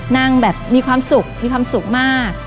นั่งแบบมีความสุขมีความสุขมาก